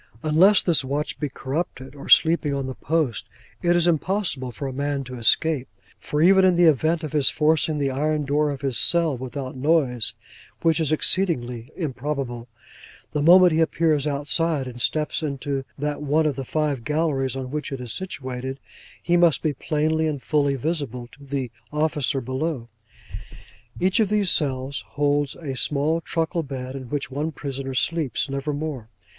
Unless this watch be corrupted or sleeping on his post, it is impossible for a man to escape; for even in the event of his forcing the iron door of his cell without noise (which is exceedingly improbable), the moment he appears outside, and steps into that one of the five galleries on which it is situated, he must be plainly and fully visible to the officer below. Each of these cells holds a small truckle bed, in which one prisoner sleeps; never more.